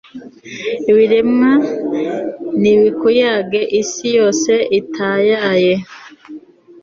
ibiremwa nibikuyage, isi yose itayaye